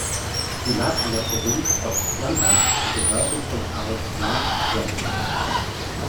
Sie lag in der Provinz Ostflandern und gehörte zum Arrondissement Gent.